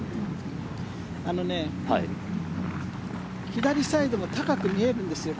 左サイドも高く見えるんですよ